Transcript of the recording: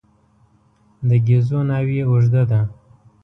د ګېزو ناوې اوږده ده.